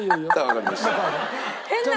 わかりました。